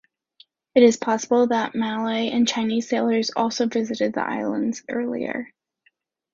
It is possible that Malay and Chinese sailors also visited the islands earlier.